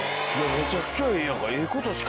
めちゃくちゃええやんか。